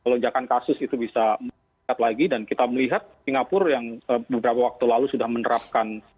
lonjakan kasus itu bisa meningkat lagi dan kita melihat singapura yang beberapa waktu lalu sudah menerapkan